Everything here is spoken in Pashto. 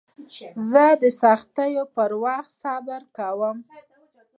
زه د سختیو پر وخت صبر کوم.